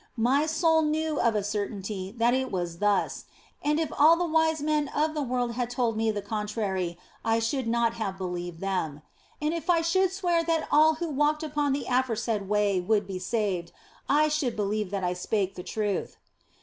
My soul knew of a certainty that it was thus, and if all the wise men of the world had told me the contrary, I should not have believed them. And if I should swear that all who walked upon the afore said way would be saved, I should believe that I spake the truth.